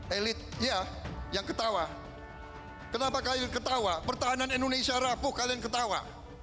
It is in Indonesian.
elit ya yang ketawa kenapa kalian ketawa pertahanan indonesia rapuh kalian ketawa